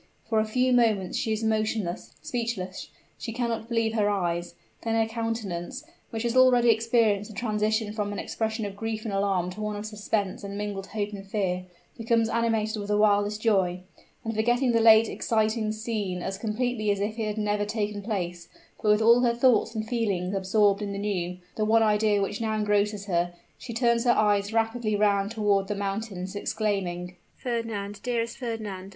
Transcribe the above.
For a few moments she is motionless, speechless, she cannot believe her eyes. Then her countenance, which has already experienced the transition from an expression of grief and alarm to one of suspense and mingled hope and fear, becomes animated with the wildest joy; and forgetting the late exciting scene as completely as if it had never taken place, but with all her thoughts and feelings absorbed in the new the one idea which now engrosses her she turns her eyes rapidly round toward the mountains, exclaiming, "Fernand, dearest Fernand!